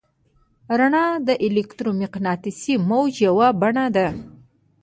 رڼا د الکترومقناطیسي موج یوه بڼه ده.